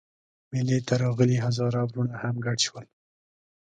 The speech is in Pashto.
مېلې ته راغلي هزاره وروڼه هم ګډ شول.